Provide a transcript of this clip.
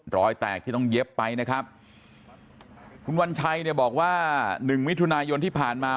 รอยแตกที่ต้องเย็บไปนะครับคุณวัญชัยเนี่ยบอกว่าหนึ่งมิถุนายนที่ผ่านมา